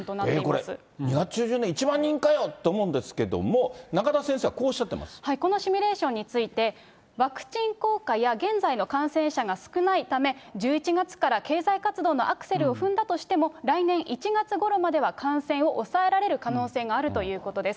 これ、２月中旬に１万人かよって思うんですけれども、このシミュレーションについて、ワクチン効果や、現在の感染者が少ないため、１１月から経済活動のアクセルを踏んだとしても、来年１月ごろまでは感染を抑えられる可能性があるということです。